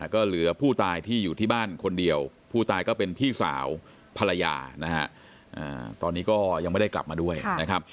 ก็เหลือผู้ตายที่อยู่ที่บ้านคนเดียวผู้ตายก็เป็นพี่สาวภรรยานะฮะตอนนี้ก็ยังไม่ได้กลับมาด้วยนะครับ